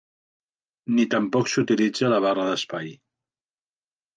Ni tampoc s'hi utilitza la barra d'espai.